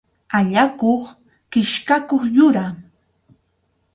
Allakuq kichkayuq yura.